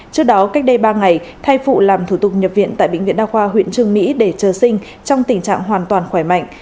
trước đó cách đây ba ngày thai phụ làm thủ tục nhập viện tại bệnh viện đa khoa huyện trương mỹ để chờ sinh trong tình trạng hoàn toàn khỏe mạnh